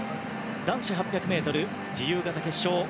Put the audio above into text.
男子８００ｍ自由形決勝。